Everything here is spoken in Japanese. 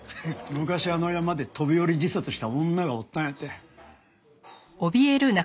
昔あの山で飛び降り自殺した女がおったんやて。